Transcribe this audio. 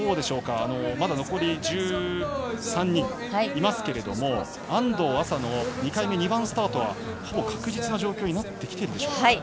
まだ残り１３人いますけれども安藤麻の２回目、２番スタートはほぼ確実な状況になってきてるでしょうか。